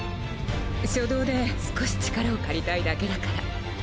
初動で少し力を借りたいだけだから。